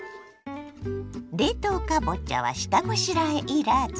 冷凍かぼちゃは下ごしらえいらず。